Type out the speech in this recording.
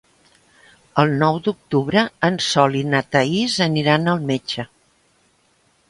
El nou d'octubre en Sol i na Thaís aniran al metge.